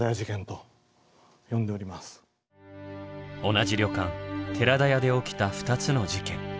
同じ旅館寺田屋で起きた２つの事件。